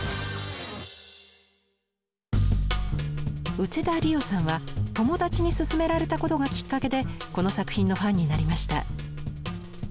内田理央さんは友達にすすめられたことがきっかけでこの作品のファンになりました。